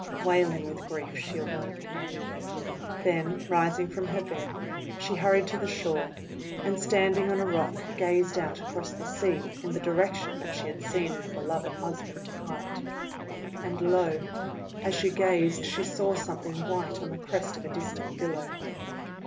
Wailing with grief she awoke. Then rising from her bed, she hurried to the shore, and standing on a rock gazed out across the sea in the direction that she had seen her beloved husband depart. And, lo! as she gazed she saw something white on the crest of a distant billow.